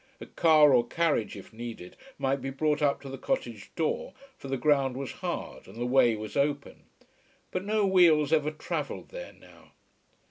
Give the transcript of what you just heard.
A car, or carriage if needed, might be brought up to the cottage door, for the ground was hard and the way was open. But no wheels ever travelled there now.